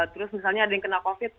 terus misalnya ada yang kena covid